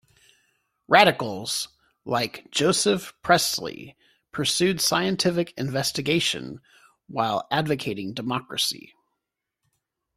Radicals like Joseph Priestley pursued scientific investigation while advocating democracy.